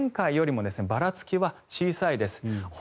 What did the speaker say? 前回よりもばらつきは小さいです。